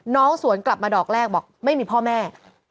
สวนกลับมาดอกแรกบอกไม่มีพ่อแม่